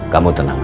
kamu tenang aja